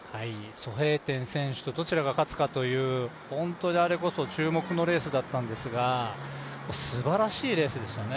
ソヘイテン選手とどちらが勝つかという本当に、あれこそ注目のレースだったんですがすばらしいレースでしたね。